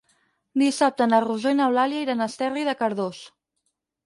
Dissabte na Rosó i n'Eulàlia iran a Esterri de Cardós.